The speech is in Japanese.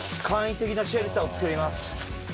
簡易的なシェルターを作ります